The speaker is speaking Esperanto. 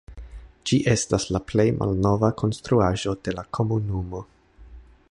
Ĝi estas la plej malnova konstruaĵo de la komunumo.